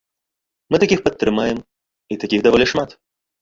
Мы такіх падтрымаем, і такіх даволі шмат.